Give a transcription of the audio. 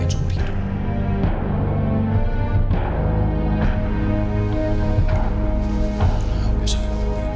sakti bakal recuri